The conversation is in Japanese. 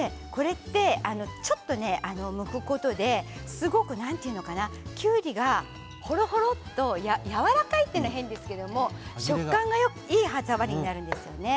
ちょっとむくことですごくきゅうりがほろほろっとやわらかいというのは変ですけれど食感がいい歯触りになるんですよね。